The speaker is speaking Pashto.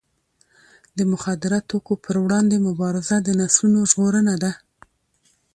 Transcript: د مخدره توکو پر وړاندې مبارزه د نسلونو ژغورنه ده.